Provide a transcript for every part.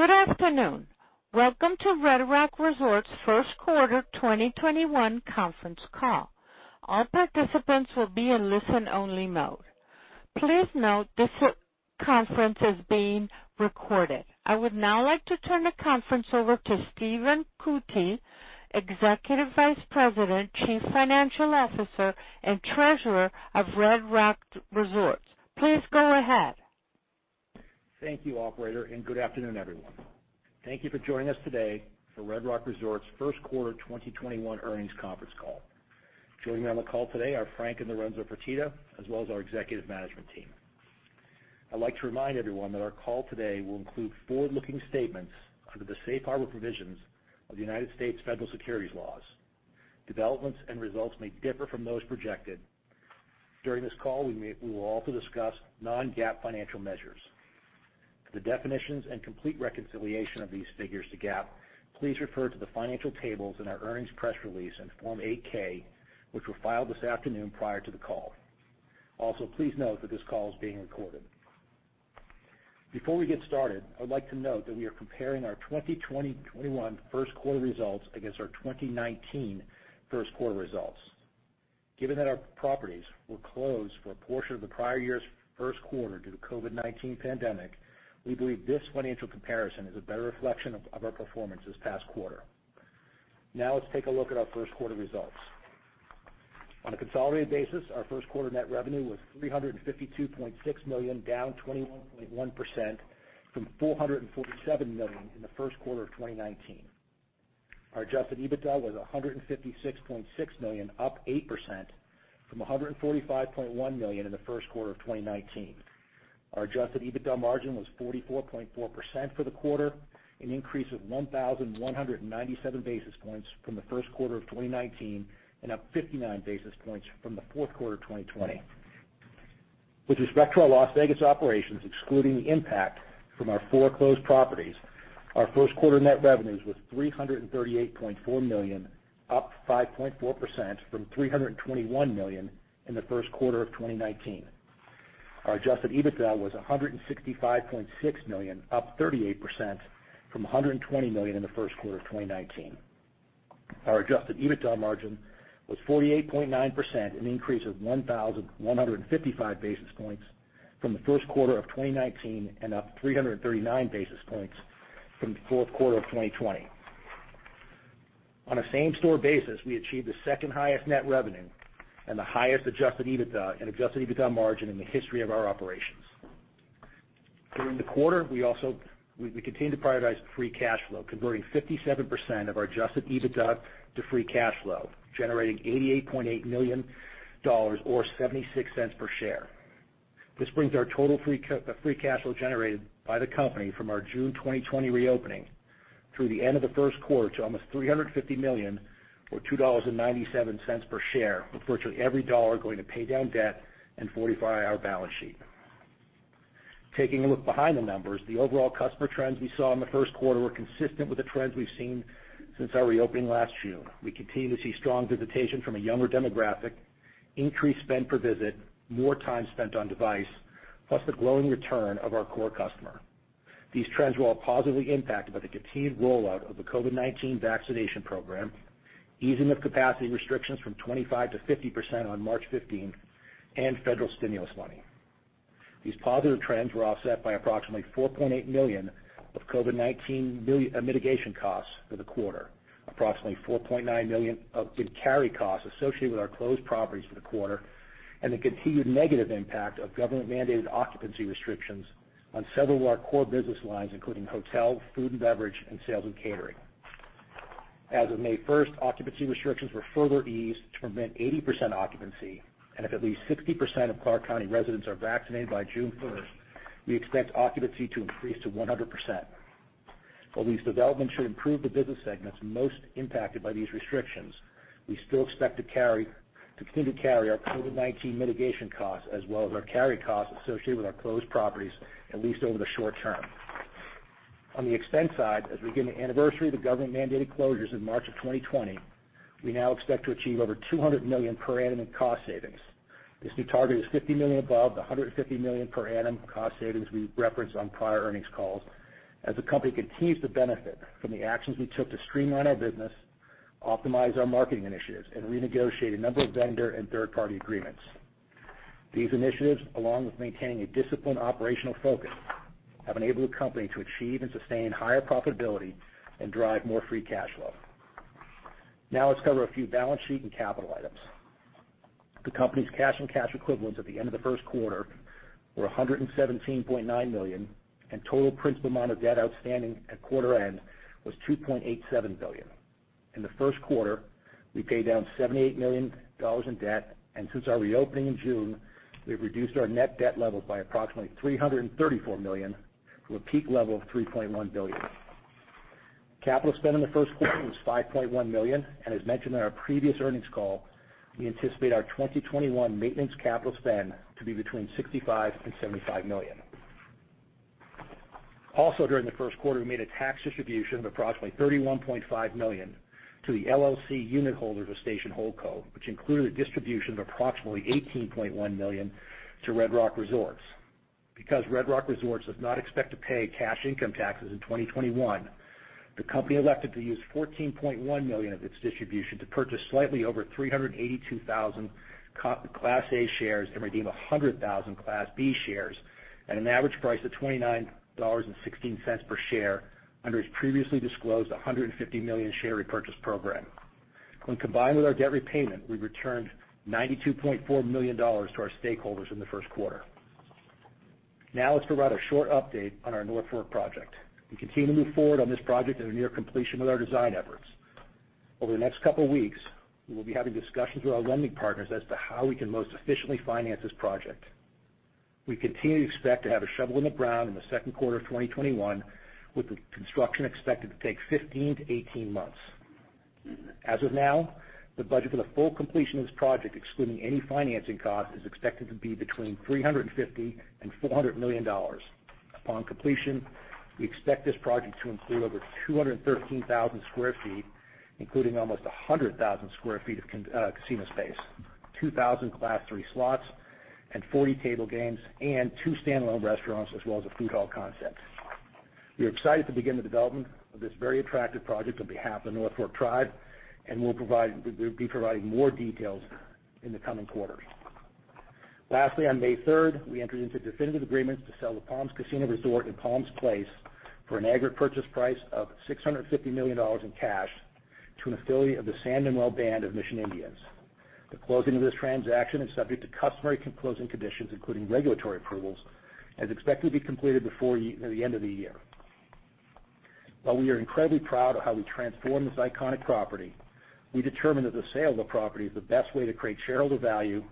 Good afternoon. Welcome to Red Rock Resorts' first quarter 2021 conference call. All participants will be in listen-only mode. Please note this conference is being recorded. I would now like to turn the conference over to Stephen Cootey, Executive Vice President, Chief Financial Officer, and Treasurer of Red Rock Resorts. Please go ahead. Thank you, operator, and good afternoon, everyone. Thank you for joining us today for Red Rock Resorts' first quarter 2021 earnings conference call. Joining me on the call today are Frank and Lorenzo Fertitta, as well as our executive management team. I'd like to remind everyone that our call today will include forward-looking statements under the safe harbor provisions of the United States federal securities laws. Developments and results may differ from those projected. During this call, we will also discuss non-GAAP financial measures. For the definitions and complete reconciliation of these figures to GAAP, please refer to the financial tables in our earnings press release and Form 8-K, which were filed this afternoon prior to the call. Also, please note that this call is being recorded. Before we get started, I would like to note that we are comparing our 2021 first quarter results against our 2019 first quarter results. Given that our properties were closed for a portion of the prior year's first quarter due to COVID-19 pandemic, we believe this financial comparison is a better reflection of our performance this past quarter. Let's take a look at our first quarter results. On a consolidated basis, our first quarter net revenue was $352.6 million, down 21.1% from $447 million in the first quarter of 2019. Our adjusted EBITDA was $156.6 million, up 8% from $145.1 million in the first quarter of 2019. Our adjusted EBITDA margin was 44.4% for the quarter, an increase of 1,197 basis points from the first quarter of 2019 and up 59 basis points from the fourth quarter of 2020. With respect to our Las Vegas operations, excluding the impact from our four closed properties, our first quarter net revenues was $338.4 million, up 5.4% from $321 million in the first quarter of 2019. Our adjusted EBITDA was $165.6 million, up 38% from $120 million in the first quarter of 2019. Our adjusted EBITDA margin was 48.9%, an increase of 1,155 basis points from the first quarter of 2019 and up 339 basis points from the fourth quarter of 2020. On a same-store basis, we achieved the second highest net revenue and the highest adjusted EBITDA and adjusted EBITDA margin in the history of our operations. During the quarter, we continued to prioritize free cash flow, converting 57% of our adjusted EBITDA to free cash flow, generating $88.8 million or $0.76 per share. This brings our total free cash flow generated by the company from our June 2020 reopening through the end of the first quarter to almost $350 million or $2.97 per share, with virtually every dollar going to pay down debt and fortify our balance sheet. Taking a look behind the numbers, the overall customer trends we saw in the first quarter were consistent with the trends we've seen since our reopening last June. We continue to see strong visitation from a younger demographic, increased spend per visit, more time spent on device, plus the growing return of our core customer. These trends were all positively impacted by the continued rollout of the COVID-19 vaccination program, easing of capacity restrictions from 25%-50% on March 15, and federal stimulus money. These positive trends were offset by approximately $4.8 million of COVID-19 mitigation costs for the quarter, approximately $4.9 million of carry costs associated with our closed properties for the quarter, and the continued negative impact of government-mandated occupancy restrictions on several of our core business lines, including hotel, food and beverage, and sales and catering. As of May 1st, occupancy restrictions were further eased to permit 80% occupancy, and if at least 60% of Clark County residents are vaccinated by June 1st, we expect occupancy to increase to 100%. While these developments should improve the business segments most impacted by these restrictions, we still expect to continue to carry our COVID-19 mitigation costs as well as our carry costs associated with our closed properties, at least over the short term. On the expense side, as we begin the anniversary of the government-mandated closures in March of 2020, we now expect to achieve over $200 million per annum in cost savings. This new target is $50 million above the $150 million per annum cost savings we referenced on prior earnings calls as the company continues to benefit from the actions we took to streamline our business, optimize our marketing initiatives, and renegotiate a number of vendor and third-party agreements. These initiatives, along with maintaining a disciplined operational focus, have enabled the company to achieve and sustain higher profitability and drive more free cash flow. Now let's cover a few balance sheet and capital items. The company's cash and cash equivalents at the end of the first quarter were $117.9 million, and total principal amount of debt outstanding at quarter end was $2.87 billion. In the first quarter, we paid down $78 million in debt, and since our reopening in June, we've reduced our net debt level by approximately $334 million from a peak level of $3.1 billion. Capital spend in the first quarter was $5.1 million, and as mentioned on our previous earnings call, we anticipate our 2021 maintenance capital spend to be between $65 million and $75 million. Also, during the first quarter, we made a tax distribution of approximately $31.5 million to the LLC unit holders of Station Holdco, which included a distribution of approximately $18.1 million to Red Rock Resorts. Because Red Rock Resorts does not expect to pay cash income taxes in 2021, the company elected to use $14.1 million of its distribution to purchase slightly over 382,000 Class A shares and redeem 100,000 Class B shares at an average price of $29.16 per share under its previously disclosed $150 million share repurchase program. When combined with our debt repayment, we returned $92.4 million to our stakeholders in the first quarter. Let's provide a short update on our North Fork project. We continue to move forward on this project and are near completion with our design efforts. Over the next couple of weeks, we will be having discussions with our lending partners as to how we can most efficiently finance this project. We continue to expect to have a shovel in the ground in the second quarter of 2021, with the construction expected to take 15-18 months. As of now, the budget for the full completion of this project, excluding any financing cost, is expected to be between $350 million and $400 million. Upon completion, we expect this project to include over 213,000 sq ft, including almost 100,000 sq ft of casino space, 2,000 Class III slots and 40 table games, and two standalone restaurants, as well as a food hall concept. We are excited to begin the development of this very attractive project on behalf of the North Fork Tribe, and we'll be providing more details in the coming quarters. Lastly, on May 3rd, we entered into definitive agreements to sell the Palms Casino Resort and Palms Place for an aggregate purchase price of $650 million in cash to an affiliate of the San Manuel Band of Mission Indians. The closing of this transaction is subject to customary closing conditions, including regulatory approvals, and is expected to be completed before the end of the year. While we are incredibly proud of how we transformed this iconic property, we determined that the sale of the property is the best way to create shareholder value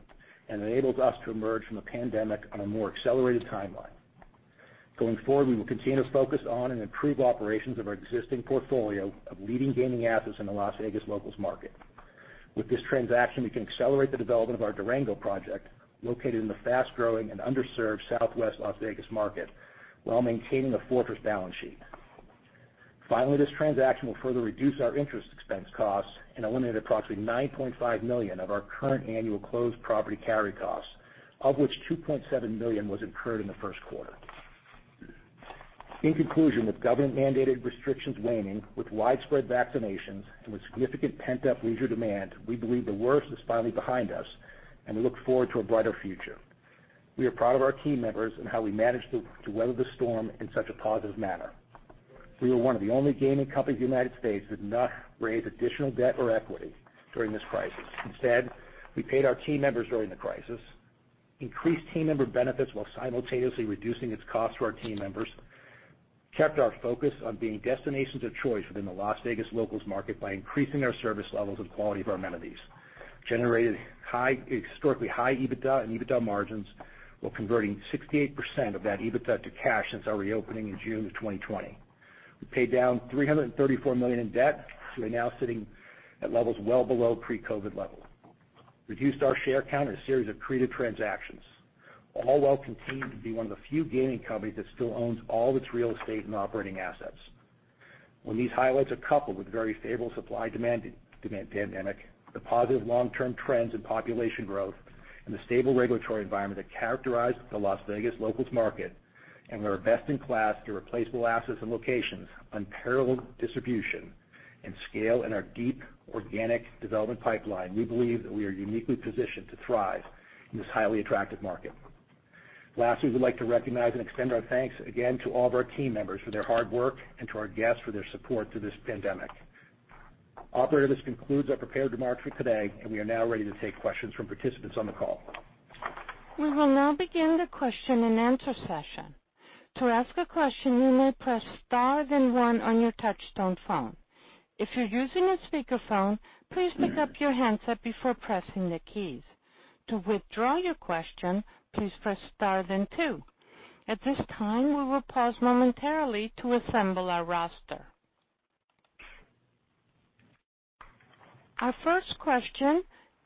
and enables us to emerge from the pandemic on a more accelerated timeline. Going forward, we will continue to focus on and improve operations of our existing portfolio of leading gaming assets in the Las Vegas locals market. With this transaction, we can accelerate the development of our Durango project, located in the fast-growing and underserved southwest Las Vegas market, while maintaining a fortress balance sheet. Finally, this transaction will further reduce our interest expense costs and eliminate approximately $9.5 million of our current annual closed property carry costs, of which $2.7 million was incurred in the first quarter. In conclusion, with government-mandated restrictions waning, with widespread vaccinations, and with significant pent-up leisure demand, we believe the worst is finally behind us, and we look forward to a brighter future. We are proud of our team members and how we managed to weather the storm in such a positive manner. We were one of the only gaming companies in the United States. to not raise additional debt or equity during this crisis. Instead, we paid our team members during the crisis, increased team member benefits while simultaneously reducing its cost to our team members, kept our focus on being destinations of choice within the Las Vegas locals market by increasing our service levels and quality of our amenities, generated historically high EBITDA and EBITDA margins, while converting 68% of that EBITDA to cash since our reopening in June of 2020. We paid down $334 million in debt. We're now sitting at levels well below pre-COVID levels. Reduced our share count in a series of creative transactions, all while continuing to be one of the few gaming companies that still owns all of its real estate and operating assets. When these highlights are coupled with very stable supply-demand dynamic, the positive long-term trends in population growth, and the stable regulatory environment that characterize the Las Vegas locals market, and we are best in class irreplaceable assets and locations, unparalleled distribution and scale, and our deep organic development pipeline, we believe that we are uniquely positioned to thrive in this highly attractive market. Lastly, we'd like to recognize and extend our thanks again to all of our team members for their hard work and to our guests for their support through this pandemic. Operator, this concludes our prepared remarks for today, and we are now ready to take questions from participants on the call. Our first question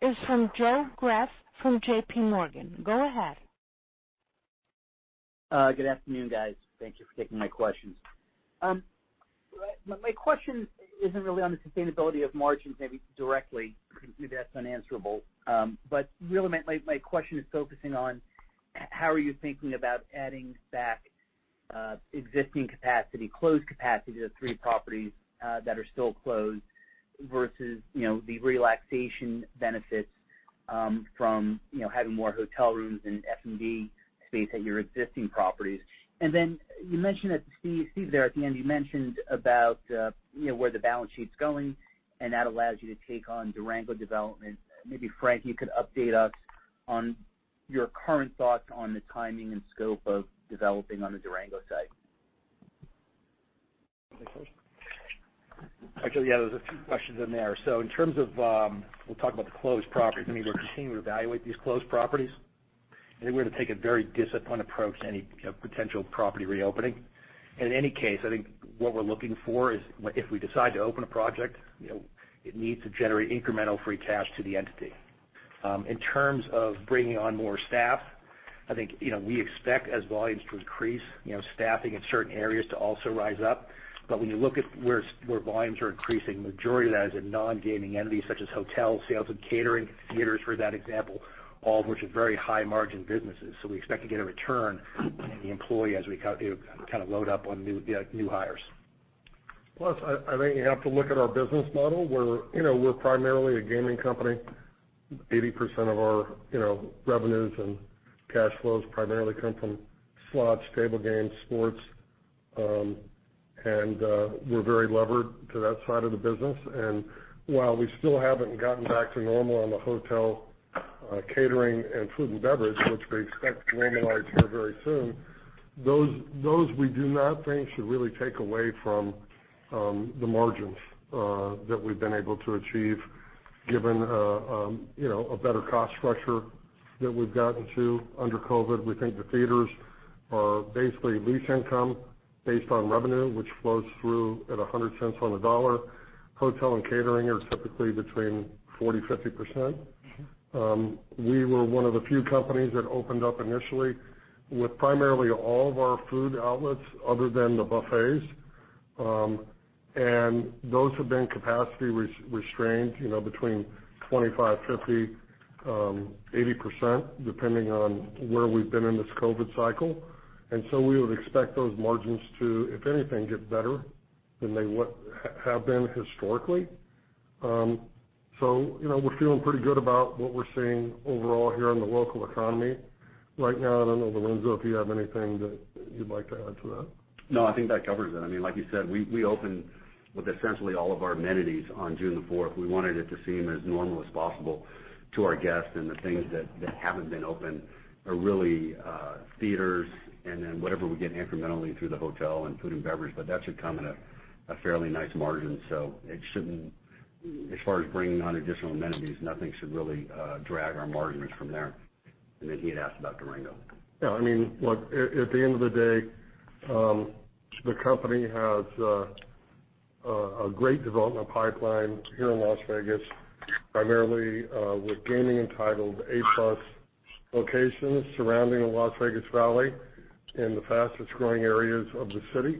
is from Joe Greff from JPMorgan. Go ahead. Good afternoon, guys. Thank you for taking my questions. My question isn't really on the sustainability of margins maybe directly. Maybe that's unanswerable. Really, my question is focusing on how are you thinking about adding back existing capacity, closed capacity, the three properties that are still closed, versus the relaxation benefits from having more hotel rooms and F&B space at your existing properties. Then you mentioned that, Steve, there at the end, you mentioned about where the balance sheet's going and that allows you to take on Durango development. Maybe, Frank, you could update us on your current thoughts on the timing and scope of developing on the Durango site. You want me first? Actually, yeah, there is a few questions in there. In terms of, we will talk about the closed properties. I mean, we are continuing to evaluate these closed properties, and we are going to take a very disciplined approach to any potential property reopening. In any case, I think what we are looking for is if we decide to open a project, it needs to generate incremental free cash to the entity. In terms of bringing on more staff, I think, we expect as volumes to increase, staffing in certain areas to also rise up. When you look at where volumes are increasing, the majority of that is in non-gaming entities such as hotels, sales and catering, theaters, for that example, all of which are very high margin businesses. We expect to get a return in the employee as we kind of load up on new hires. I think you have to look at our business model where we're primarily a gaming company, 80% of our revenues and cash flows primarily come from slots, table games, sports, and we're very levered to that side of the business. While we still haven't gotten back to normal on the hotel, catering, and food and beverage, which we expect to normalize here very soon, those we do not think should really take away from the margins that we've been able to achieve given a better cost structure that we've gotten to under COVID. We think the theaters are basically lease income based on revenue, which flows through at $1.00 on the dollar. Hotel and catering are typically between 40%-50%. We were one of the few companies that opened up initially with primarily all of our food outlets other than the buffets, and those have been capacity restrained between 25%, 50%, 80%, depending on where we've been in this COVID cycle. We would expect those margins to, if anything, get better than they have been historically. We're feeling pretty good about what we're seeing overall here in the local economy right now. I don't know, Lorenzo, if you have anything that you'd like to add to that. No, I think that covers it. Like you said, we opened with essentially all of our amenities on June 4th. We wanted it to seem as normal as possible to our guests, and the things that haven't been opened are really theaters and then whatever we get incrementally through the hotel and food and beverage. That should come in a fairly nice margin. It shouldn't, as far as bringing on additional amenities, nothing should really drag our margins from there. He had asked about Durango. Yeah. Look, at the end of the day, the company has a great development pipeline here in Las Vegas, primarily with gaming entitled A+ locations surrounding the Las Vegas Valley in the fastest-growing areas of the city.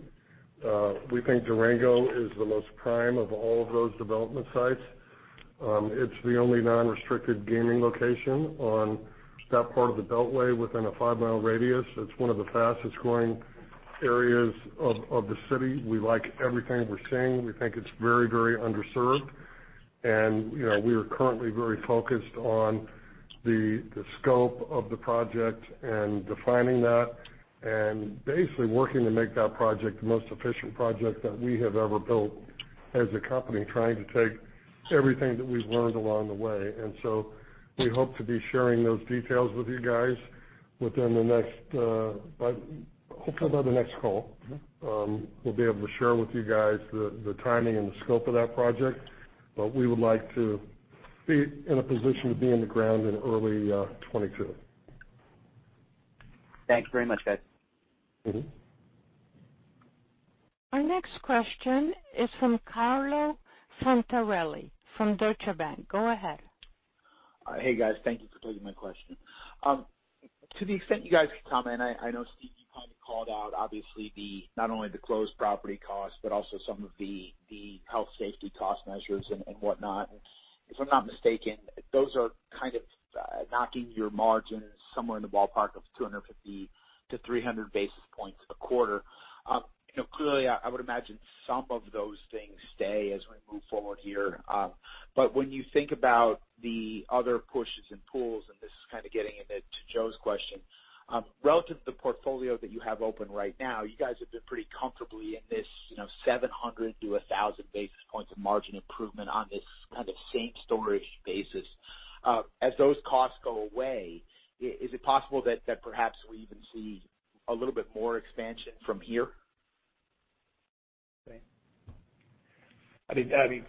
We think Durango is the most prime of all of those development sites. It's the only non-restricted gaming location on that part of the beltway within a 5-mi radius. It's one of the fastest-growing areas of the city. We like everything we're seeing. We think it's very underserved. We are currently very focused on the scope of the project and defining that, and basically working to make that project the most efficient project that we have ever built as a company, trying to take everything that we've learned along the way. We hope to be sharing those details with you guys within the next, hopefully by the next call. We'll be able to share with you guys the timing and the scope of that project. We would like to be in a position to be in the ground in early 2022. Thanks very much, guys. Our next question is from Carlo Santarelli from Deutsche Bank. Go ahead. Hey, guys. Thank you for taking my question. To the extent you guys can comment, I know Steve, you kind of called out obviously not only the closed property costs, but also some of the health safety cost measures and whatnot. If I'm not mistaken, those are kind of knocking your margins somewhere in the ballpark of 250 basis points-300 basis points a quarter. Clearly, I would imagine some of those things stay as we move forward here. When you think about the other pushes and pulls, and this is kind of getting into Joe's question, relative to the portfolio that you have open right now, you guys have been pretty comfortably in this 700 basis points-1,000 basis points of margin improvement on this kind of same-store-ish basis. As those costs go away, is it possible that perhaps we even see a little bit more expansion from here?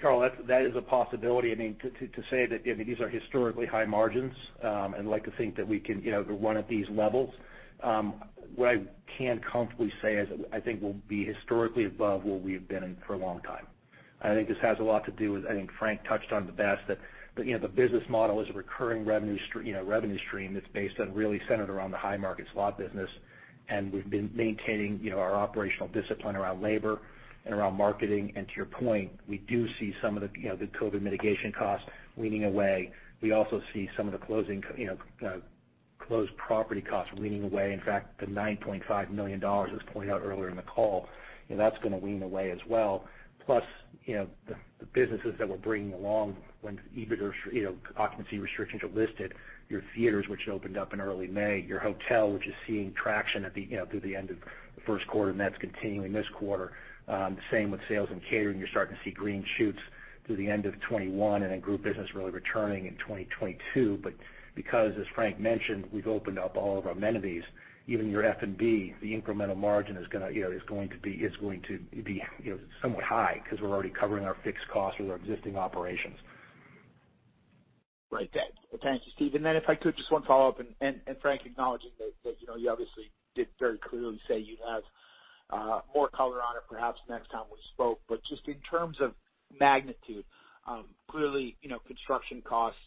Carlo, that is a possibility. To say that these are historically high margins, and like to think that we can run at these levels. What I can comfortably say is I think we'll be historically above where we've been for a long time. I think this has a lot to do with, I think Frank touched on it the best, that the business model is a recurring revenue stream that's based on really centered around the high market slot business, and we've been maintaining our operational discipline around labor and around marketing. To your point, we do see some of the COVID mitigation costs weaning away. We also see some of the closed property costs weaning away. In fact, the $9.5 million, as pointed out earlier in the call, that's going to wean away as well. Plus, the businesses that we're bringing along when occupancy restrictions are lifted, your theaters, which opened up in early May, your hotel, which is seeing traction through the end of the first quarter, and that's continuing this quarter. The same with sales and catering. You're starting to see green shoots through the end of 2021 and then group business really returning in 2022. Because, as Frank mentioned, we've opened up all of our amenities, even your F&B, the incremental margin is going to be somewhat high because we're already covering our fixed costs with our existing operations. Right. Thank you, Steve. Then if I could, just one follow-up, Frank, acknowledging that you obviously did very clearly say you'd have more color on it perhaps next time we spoke. Just in terms of magnitude. Clearly, construction costs,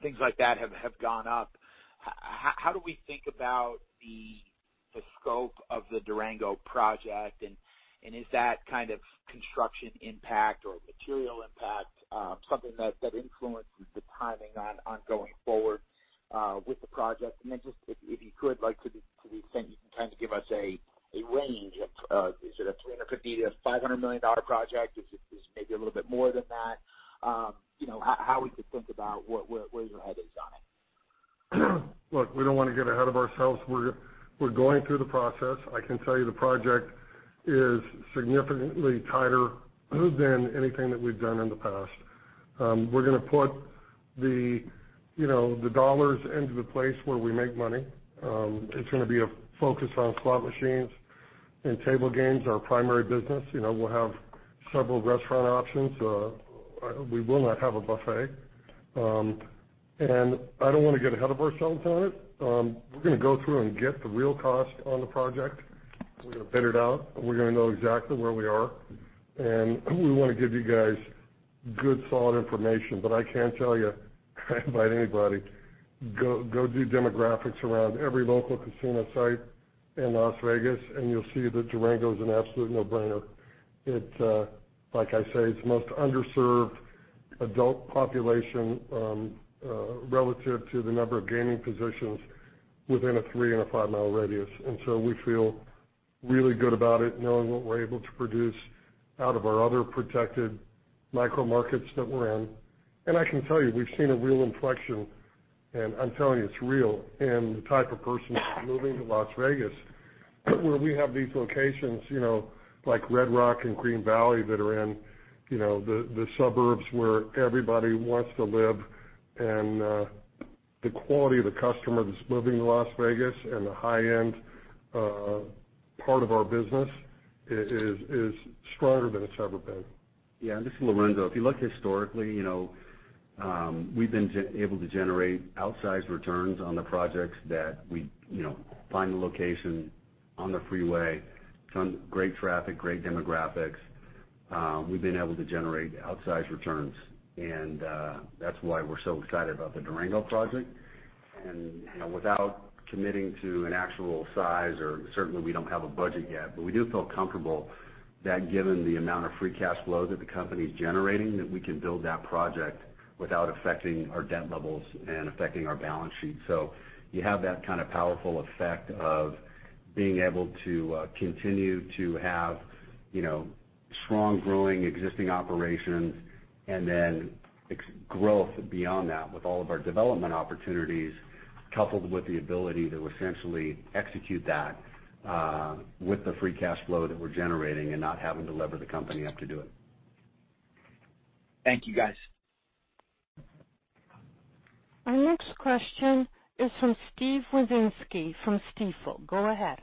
things like that, have gone up. How do we think about the scope of the Durango project? Is that kind of construction impact or material impact something that influences the timing on going forward with the project? Then just, if you could, to the extent you can give us a range of, is it a $350 million-$500 million project? Is it maybe a little bit more than that? How we could think about where your head is on it. Look, we don't want to get ahead of ourselves. We're going through the process. I can tell you the project is significantly tighter than anything that we've done in the past. We're going to put the dollars into the place where we make money. It's going to be a focus on slot machines and table games, our primary business. We'll have several restaurant options. We will not have a buffet. I don't want to get ahead of ourselves on it. We're going to go through and get the real cost on the project. We're going to bid it out, and we're going to know exactly where we are. We want to give you guys good, solid information. I can tell you, I invite anybody, go do demographics around every local casino site in Las Vegas, and you'll see that Durango is an absolute no-brainer. Like I say, it's the most underserved adult population relative to the number of gaming positions within a 3-mi and a 5-mi radius. We feel really good about it, knowing what we're able to produce out of our other protected micro markets that we're in. I can tell you, we've seen a real inflection, and I'm telling you it's real, in the type of person that's moving to Las Vegas, where we have these locations like Red Rock and Green Valley that are in the suburbs where everybody wants to live. The quality of the customer that's moving to Las Vegas and the high-end part of our business is stronger than it's ever been. This is Lorenzo. If you look historically, we've been able to generate outsized returns on the projects that we find the location on the freeway, great traffic, great demographics. We've been able to generate outsized returns, and that's why we're so excited about the Durango project. Without committing to an actual size, or certainly, we don't have a budget yet, but we do feel comfortable that given the amount of free cash flow that the company's generating, that we can build that project without affecting our debt levels and affecting our balance sheet. You have that kind of powerful effect of being able to continue to have strong, growing, existing operations and then growth beyond that with all of our development opportunities, coupled with the ability to essentially execute that with the free cash flow that we're generating and not having to lever the company up to do it. Thank you, guys. Our next question is from Steve Wieczynski from Stifel. Go ahead.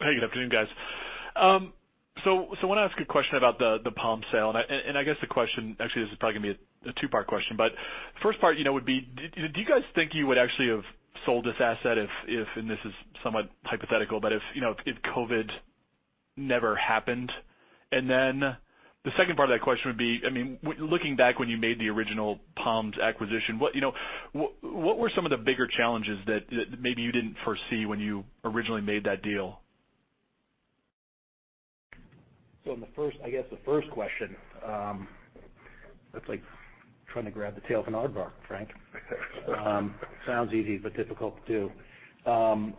Hey, good afternoon, guys. I want to ask a question about the Palms sale, and I guess the question, actually, this is probably going to be a two-part question. First part would be, do you guys think you would actually have sold this asset if, and this is somewhat hypothetical, but if COVID never happened? The second part of that question would be, looking back when you made the original Palms acquisition, what were some of the bigger challenges that maybe you didn't foresee when you originally made that deal? On, I guess, the first question, that's like trying to grab the tail of an aardvark, Frank. Sounds easy, but difficult to do.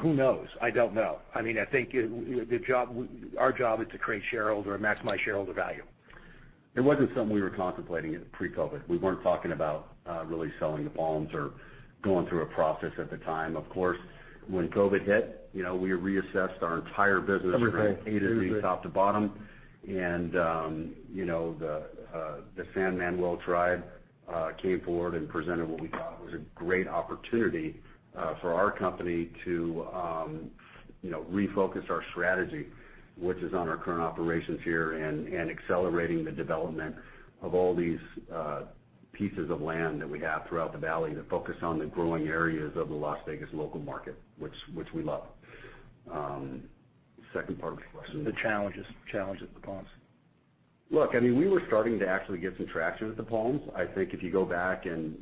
Who knows? I don't know. I think our job is to create shareholder or maximize shareholder value. It wasn't something we were contemplating pre-COVID. We weren't talking about really selling the Palms or going through a process at the time. Of course, when COVID hit, we reassessed our entire business. Everything from A to Z, top to bottom. The San Manuel tribe came forward and presented what we thought was a great opportunity for our company to refocus our strategy, which is on our current operations here and accelerating the development of all these pieces of land that we have throughout the valley to focus on the growing areas of the Las Vegas local market, which we love. Second part of the question? The challenges of the Palms. Look, we were starting to actually get some traction at the Palms. I think if you go back and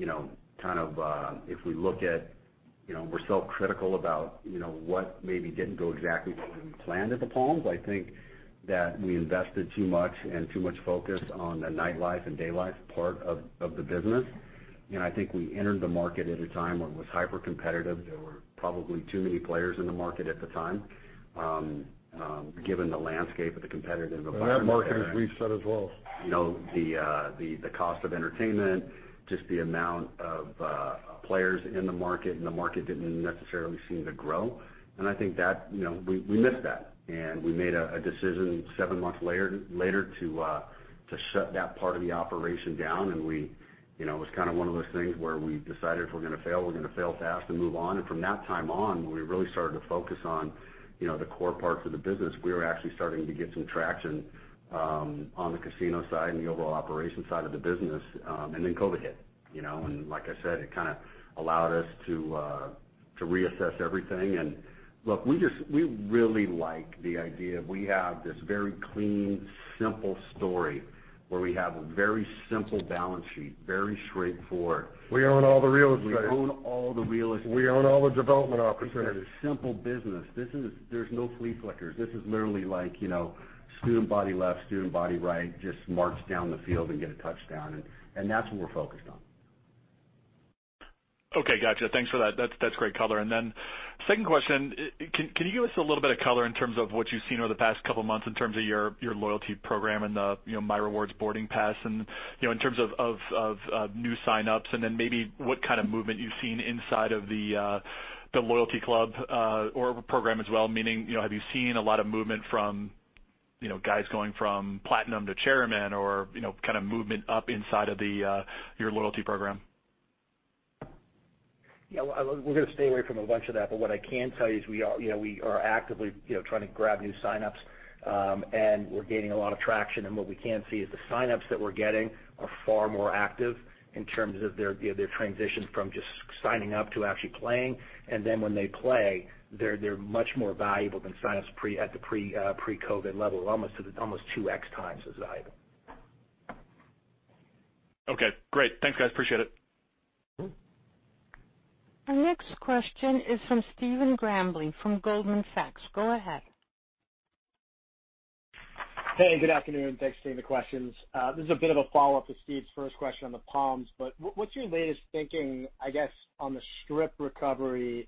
if we're self-critical about what maybe didn't go exactly the way we planned at the Palms. I think that we invested too much and too much focus on the nightlife and daylife part of the business. I think we entered the market at a time when it was hypercompetitive. There were probably too many players in the market at the time, given the landscape of the competitive environment. That market has reset as well. The cost of entertainment, just the amount of players in the market, and the market didn't necessarily seem to grow. I think we missed that, and we made a decision seven months later to shut that part of the operation down. It was one of those things where we decided if we're going to fail, we're going to fail fast and move on. From that time on, when we really started to focus on the core parts of the business, we were actually starting to get some traction on the casino side and the overall operations side of the business, and then COVID hit. Like I said, it kind of allowed us to reassess everything and. Look, we really like the idea. We have this very clean, simple story where we have a very simple balance sheet, very straightforward. We own all the real estate. We own all the real estate. We own all the development opportunities. It's a simple business. There's no flea flickers. This is literally like, student body left, student body right, just march down the field and get a touchdown. That's what we're focused on. Okay. Got you. Thanks for that. That's great color. Second question, can you give us a little bit of color in terms of what you've seen over the past couple of months in terms of your loyalty program and the myRewards Boarding Pass, in terms of new sign-ups and then maybe what kind of movement you've seen inside of the loyalty club, or program as well, meaning, have you seen a lot of movement from guys going from platinum to chairman or, kind of movement up inside of your loyalty program? Yeah. We're going to stay away from a bunch of that, but what I can tell you is we are actively trying to grab new signups, and we're gaining a lot of traction. What we can see is the signups that we're getting are far more active in terms of their transition from just signing up to actually playing. Then when they play, they're much more valuable than signups at the pre-COVID level, almost 2x times as valuable. Okay. Great. Thanks, guys. Appreciate it. Our next question is from Stephen Grambling from Goldman Sachs. Go ahead. Hey, good afternoon. Thanks for taking the questions. This is a bit of a follow-up to Steve's first question on the Palms, but what's your latest thinking, I guess, on the Strip recovery,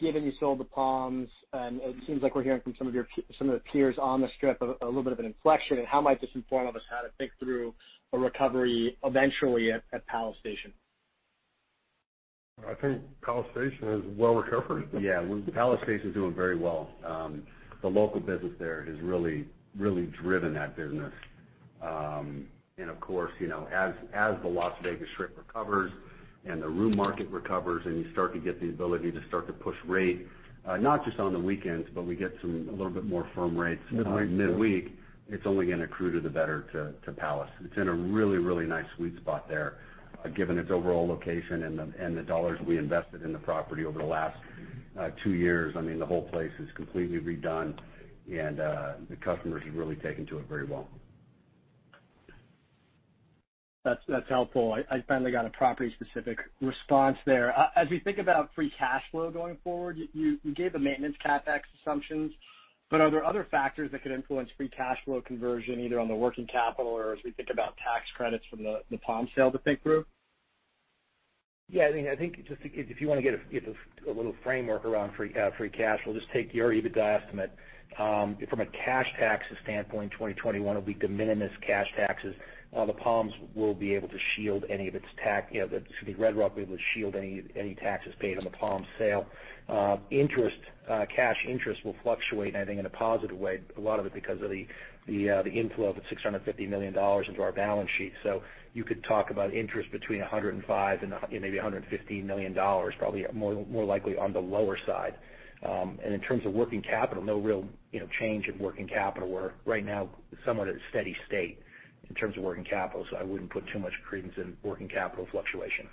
given you sold the Palms, and it seems like we're hearing from some of the peers on the Strip, a little bit of an inflection. How might this inform all of us how to think through a recovery eventually at Palace Station? I think Palace Station has well recovered. Yeah. Palace Station's doing very well. The local business there has really driven that business. Of course, as the Las Vegas Strip recovers and the room market recovers, and you start to get the ability to start to push rate, not just on the weekends, but we get a little bit more firm rates. Midweek, yeah. Midweek, it's only going to accrue to the better to Palace. It's in a really nice sweet spot there, given its overall location and the dollars we invested in the property over the last two years. I mean, the whole place is completely redone, and the customers have really taken to it very well. That's helpful. I finally got a property-specific response there. As we think about free cash flow going forward, you gave the maintenance CapEx assumptions, but are there other factors that could influence free cash flow conversion, either on the working capital or as we think about tax credits from the Palms sale to think through? Yeah. I think if you want to get a little framework around free cash flow, just take your EBITDA estimate. From a cash taxes standpoint, 2021 will be de minimis cash taxes. Red Rock will be able to shield any taxes paid on the Palms sale. Cash interest will fluctuate, and I think in a positive way, a lot of it because of the inflow of the $650 million into our balance sheet. You could talk about interest between $105 million and maybe $115 million, probably more likely on the lower side. In terms of working capital, no real change in working capital. We're right now somewhat at a steady state in terms of working capital, so I wouldn't put too much credence in working capital fluctuation.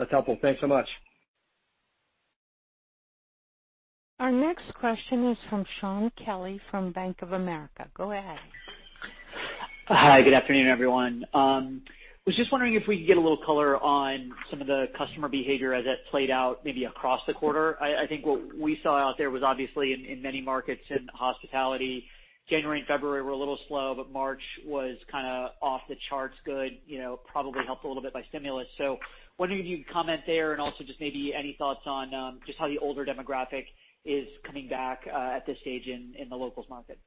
That's helpful. Thanks so much. Our next question is from Shaun Kelley from Bank of America. Go ahead. Hi. Good afternoon, everyone. Was just wondering if we could get a little color on some of the customer behavior as it played out maybe across the quarter. I think what we saw out there was obviously in many markets in hospitality, January and February were a little slow, but March was kind of off the charts good, probably helped a little bit by stimulus. Wondering if you could comment there, and also just maybe any thoughts on just how the older demographic is coming back at this stage in the locals market.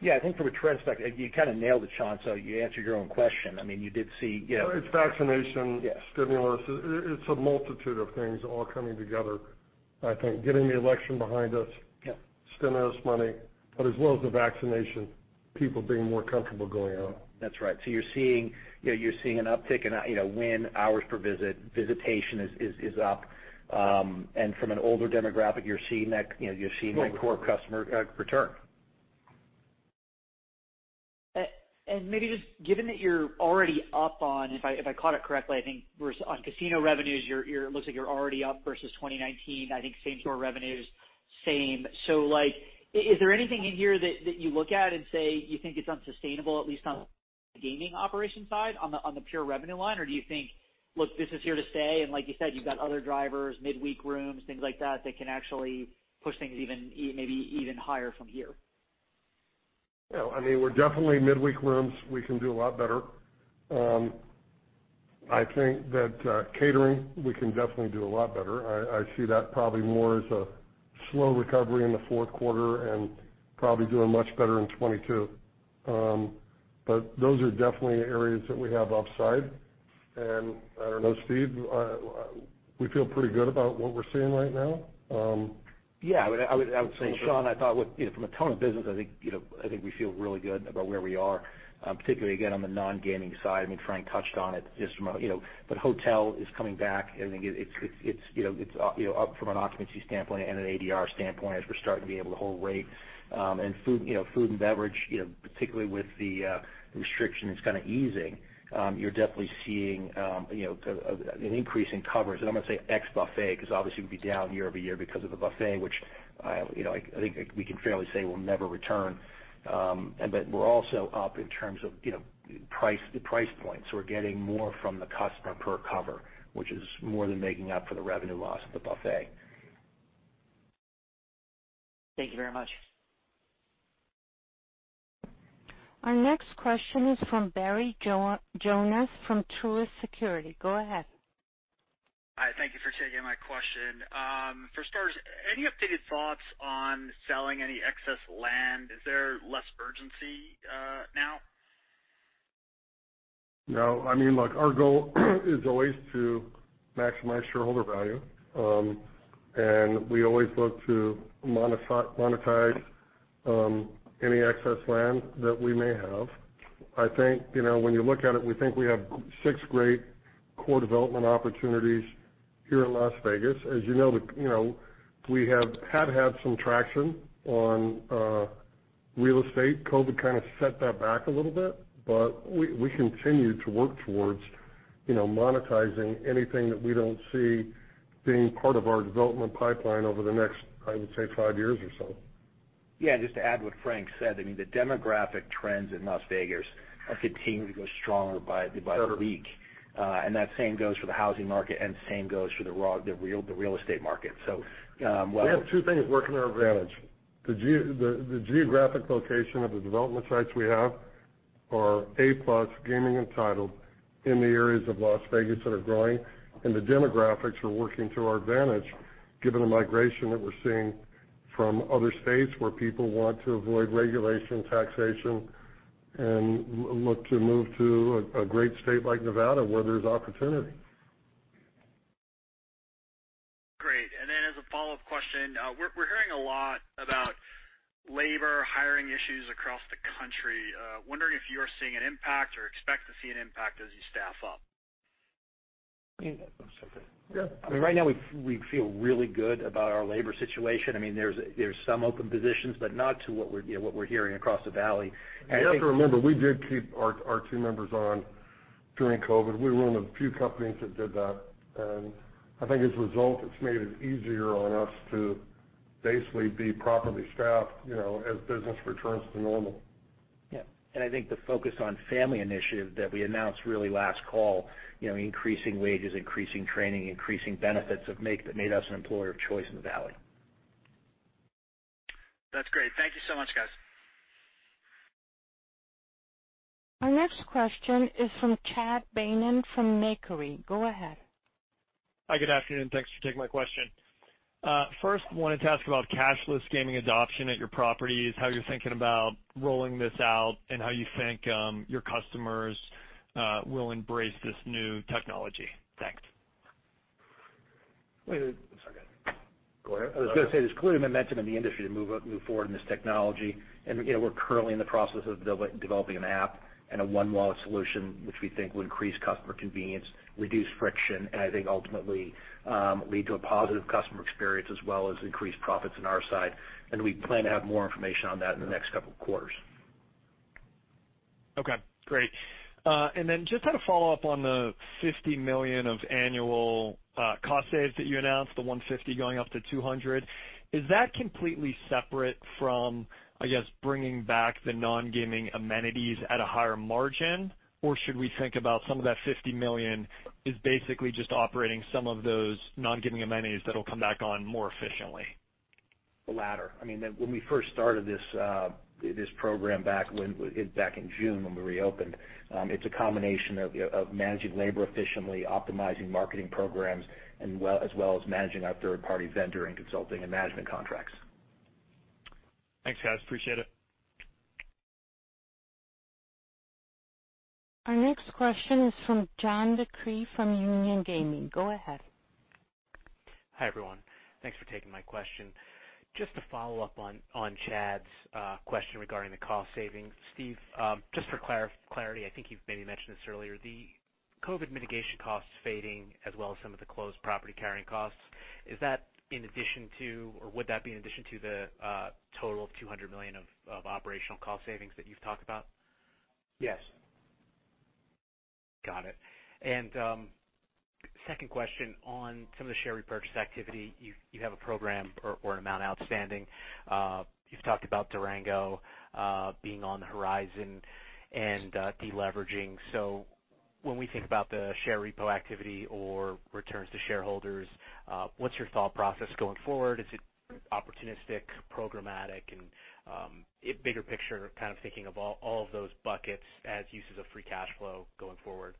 Yeah, I think from a trend perspective, you kind of nailed it, Shaun. You answered your own question. I mean, you did see. It's vaccination. Yes. Stimulus. It's a multitude of things all coming together. I think getting the election behind us. Yep. Stimulus money, but as well as the vaccination, people being more comfortable going out. That's right. You're seeing an uptick in win hours per visit. Visitation is up. From an older demographic, you're seeing that. Wel. Core customer return. Maybe just given that you're already up on, if I caught it correctly, I think on casino revenues, it looks like you're already up versus 2019. I think same store revenue's same. Is there anything in here that you look at and say you think it's unsustainable, at least on the gaming operation side, on the pure revenue line? Do you think, look, this is here to stay, and like you said, you've got other drivers, midweek rooms, things like that can actually push things maybe even higher from here? No, I mean, we're definitely, midweek rooms, we can do a lot better. I think that catering, we can definitely do a lot better. I see that probably more as a slow recovery in the fourth quarter and probably doing much better in 2022. Those are definitely areas that we have upside. And I don't know, Steve, we feel pretty good about what we're seeing right now. Yeah, I would say, Shaun, I thought from a ton of business, I think we feel really good about where we are, particularly, again, on the non-gaming side. Frank touched on it. Hotel is coming back. I think it's up from an occupancy standpoint and an ADR standpoint as we're starting to be able to hold rate. Food and beverage, particularly with the restriction, it's kind of easing. You're definitely seeing an increase in coverage, and I'm going to say ex-buffet, because obviously, we'd be down year-over-year because of the buffet, which I think we can fairly say will never return. We're also up in terms of the price points. We're getting more from the customer per cover, which is more than making up for the revenue loss of the buffet. Thank you very much. Our next question is from Barry Jonas from Truist Securities. Go ahead. Hi, thank you for taking my question. For starters, any updated thoughts on selling any excess land? Is there less urgency now? No. I mean, look, our goal is always to maximize shareholder value. We always look to monetize any excess land that we may have. I think, when you look at it, we think we have six great core development opportunities here in Las Vegas. As you know, we have had some traction on real estate. COVID kind of set that back a little bit, but we continue to work towards monetizing anything that we don't see being part of our development pipeline over the next, I would say, five years or so. Yeah, just to add what Frank said, I mean, the demographic trends in Las Vegas continue to grow stronger by the week. That same goes for the housing market, and the same goes for the real estate market. We have two things working to our advantage. The geographic location of the development sites we have are A-plus gaming entitled in the areas of Las Vegas that are growing, and the demographics are working to our advantage given the migration that we're seeing from other states where people want to avoid regulation, taxation, and look to move to a great state like Nevada, where there's opportunity. Great. As a follow-up question, we're hearing a lot about labor hiring issues across the country. Wondering if you're seeing an impact or expect to see an impact as you staff up. I'm sorry. Yeah. Right now, we feel really good about our labor situation. There's some open positions, but not to what we're hearing across the Valley. You have to remember, we did keep our team members on during COVID. We were one of the few companies that did that. I think as a result, it's made it easier on us to basically be properly staffed as business returns to normal. Yeah. I think the Focus on Family initiative that we announced really last call, increasing wages, increasing training, increasing benefits that made us an employer of choice in the Valley. That's great. Thank you so much, guys. Our next question is from Chad Beynon from Macquarie. Go ahead. Hi, good afternoon. Thanks for taking my question. First, wanted to ask about cashless gaming adoption at your properties, how you're thinking about rolling this out, and how you think your customers will embrace this new technology. Thanks. Wait. I'm sorry. Go ahead. Go ahead. I was going to say there's clearly momentum in the industry to move forward in this technology. We're currently in the process of developing an app and a one-wallet solution, which we think will increase customer convenience, reduce friction, and I think ultimately lead to a positive customer experience as well as increased profits on our side. We plan to have more information on that in the next couple of quarters. Okay, great. Just had a follow-up on the $50 million of annual cost saves that you announced, the $150 million going up to $200 million. Is that completely separate from, I guess, bringing back the non-gaming amenities at a higher margin? Should we think about some of that $50 million is basically just operating some of those non-gaming amenities that'll come back on more efficiently? The latter. When we first started this program back in June when we reopened, it's a combination of managing labor efficiently, optimizing marketing programs, as well as managing our third-party vendor and consulting and management contracts. Thanks, guys. Appreciate it. Our next question is from John DeCree from Union Gaming. Go ahead. Hi, everyone. Thanks for taking my question. Just to follow up on Chad's question regarding the cost savings. Steve, just for clarity, I think you've maybe mentioned this earlier. The COVID mitigation costs fading as well as some of the closed property carrying costs. Is that in addition to or would that be in addition to the total $200 million of operational cost savings that you've talked about? Yes. Got it. Second question on some of the share repurchase activity. You have a program or an amount outstanding. You've talked about Durango being on the horizon and de-leveraging. When we think about the share repo activity or returns to shareholders, what's your thought process going forward? Is it opportunistic, programmatic? Bigger picture, kind of thinking of all of those buckets as uses of free cash flow going forward.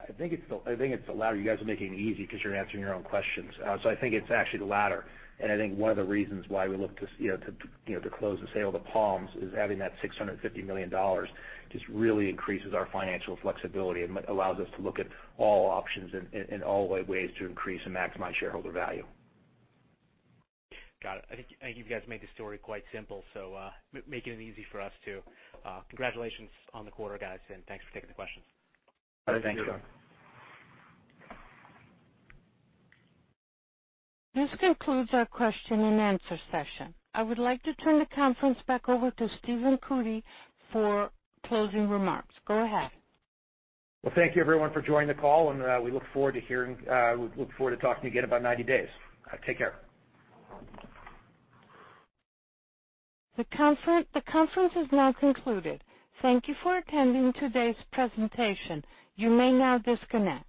I think it's the latter. You guys are making it easy because you're answering your own questions. I think it's actually the latter, and I think one of the reasons why we look to close the sale of the Palms is having that $650 million just really increases our financial flexibility and allows us to look at all options and all the ways to increase and maximize shareholder value. Got it. I think you guys made the story quite simple, so making it easy for us, too. Congratulations on the quarter, guys, and thanks for taking the questions. Thank you. Thanks. This concludes our question and answer session. I would like to turn the conference back over to Stephen Cootey for closing remarks. Go ahead. Well, thank you, everyone, for joining the call, and we look forward to talking to you again in about 90 days. Take care. The conference is now concluded. Thank you for attending today's presentation. You may now disconnect.